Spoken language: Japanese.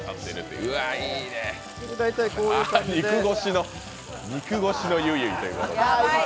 うわ、肉越しのゆいゆいということで。